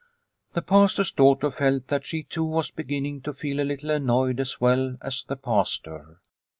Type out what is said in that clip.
The Pastor's daughter felt that she too was beginning to feel a little annoyed as well as the Pastor.